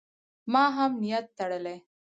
ما هم نیت تړلی.